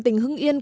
tỉnh hương yên